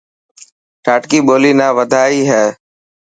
ڌاٽڪي ٻولي نا وڌائي هي.